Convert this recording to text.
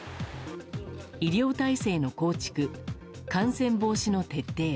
医療体制の構築、感染防止の徹底